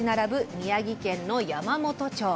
宮城県の山元町。